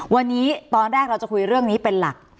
วันนี้ตอนแรกเราจะคุยเรื่องนี้เป็นหลัก